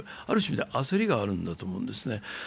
ある種、焦りがあるんだと思うんですね。